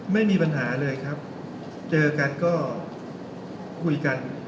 ไม่มีปัญหาเลยครับเจอกันก็คุยกัน